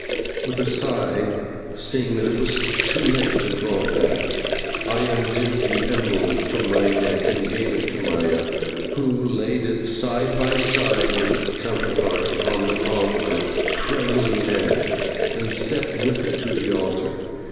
Now with a sigh, seeing that it was too late to draw back, I undid the emerald from my neck and gave it to Maya, who laid it side by side with its counterpart upon the palm of her trembling hand, and stepped with it to the altar.